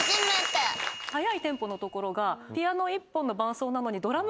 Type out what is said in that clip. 速いテンポのところが。